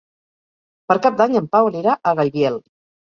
Per Cap d'Any en Pau anirà a Gaibiel.